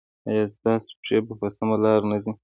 ایا ستاسو پښې په سمه لار نه ځي؟